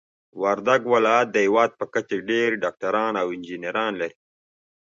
وردګ ولايت د هيواد په کچه ډير ډاکټران او انجنيران لري.